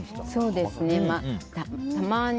そうですね、たまに。